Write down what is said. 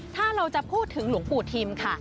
ถ้าเราจะพูดถึงหลวงปู่ทิมค่ะ